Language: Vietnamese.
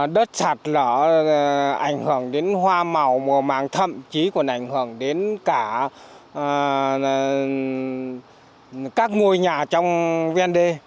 đất sạt lở ảnh hưởng đến hoa màu màu màng thâm chí còn ảnh hưởng đến cả các ngôi nhà trong vnđ